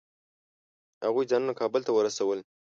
هغوی ځانونه کابل ته ورسول.